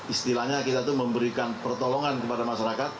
istilahnya kita itu memberikan pertolongan kepada masyarakat